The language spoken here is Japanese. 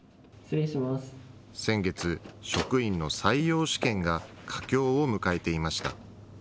先月、職員の採用試験が佳境を迎えていました。